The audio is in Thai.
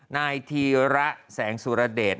นายธีระแสงสุรเดช